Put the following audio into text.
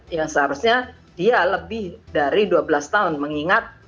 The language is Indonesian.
yang seharusnya dia lebih dari dua belas tahun mengingat